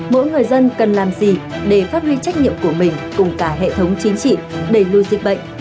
mỗi người dân cần làm gì để phát huy trách nhiệm của mình cùng cả hệ thống chính trị đẩy lùi dịch bệnh